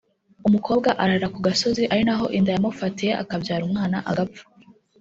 umukobwa arara ku gasozi ari naho inda yamufatiye akabyara umwana agapfa